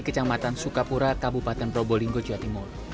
kecamatan sukapura kabupaten probolinggo jawa timur